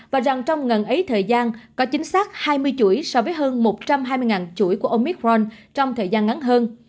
và rằng trong ngần ấy thời gian có chính xác hai mươi chuỗi so với hơn một trăm hai mươi chuỗi của ông micron trong thời gian ngắn hơn